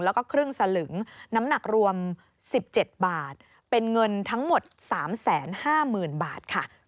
แล้วก็ครึ่งสลึงน้ำหนักรวม๑๗บาทเป็นเงินทั้งหมด๓๕๐๐๐บาทค่ะ